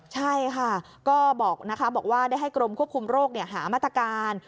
ใช่ค่ะก็บอกนะคะบอกว่าได้ให้กรมควบคุมโรคหามาตรการ